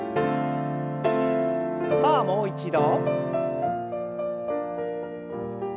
さあもう一度。